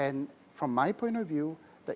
dan dari pandang saya